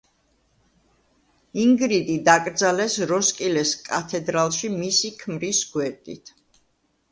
ინგრიდი დაკრძალეს როსკილეს კათედრალში, მისი ქმრის გვერდით.